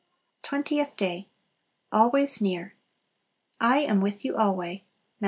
Twentieth Day Always Near. "I am with you alway." Matt.